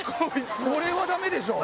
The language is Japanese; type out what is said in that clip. これはダメでしょ。